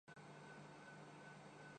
پھر ہماری بات میں کچھ وزن پیدا ہو۔